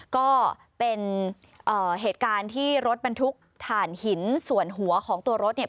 ก็เป็นเหตุการณ์ที่รถบรรทุกฐานหินส่วนหัวของตัวรถเนี่ย